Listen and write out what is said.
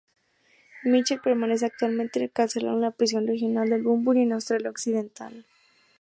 Mitchell permanece actualmente encarcelado en la Prisión Regional de Bunbury en Australia Occidental.